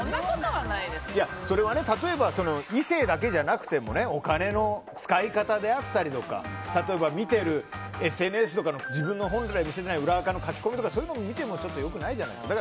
それは、例えば異性だけじゃなくてもお金の使い方であったりとか例えば見ているＳＮＳとかの自分の本来見せない裏アカの書き込みとかもそういうのを見ても良くないじゃないですか。